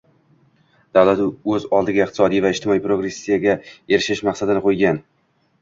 Davlat oʻz oldiga iqtisodiy va ijtimoiy progressga erishish maqsadini qoʻygan